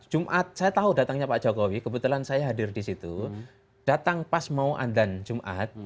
jumat saya tahu datangnya pak jokowi kebetulan saya hadir di situ datang pas mau andan jumat